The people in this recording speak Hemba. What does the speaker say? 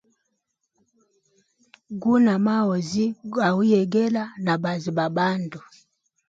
Guna maozi gauyegela na baazi ba bandu.